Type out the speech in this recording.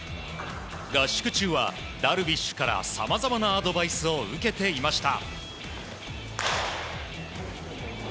合宿中はダルビッシュからさまざまなアドバイスを受けていました。